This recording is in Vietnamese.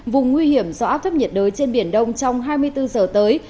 vùng nguy hiểm do áp thấp nhiệt đới trên biển đông trong hai mươi bốn giờ tới